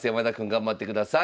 頑張ってください。